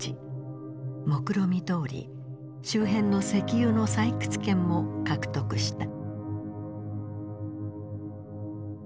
もくろみどおり周辺の石油の採掘権も獲得した。